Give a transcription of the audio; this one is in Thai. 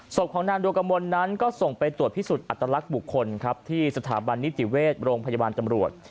ศพของนางดวงกระมวลนั้นก็ส่งไปตรวจพิสูจน์อัตลักษณ์บุคคลครับที่สถาบันนิติเวชโรงพยาบาลตำรวจ